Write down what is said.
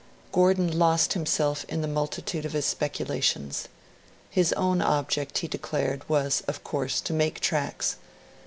Gordon lost himself in the multitude of his speculations. His own object, he declared, was, 'of course, to make tracks'.